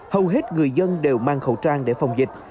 hầu hết người dân đều mang khẩu trang để phòng dịch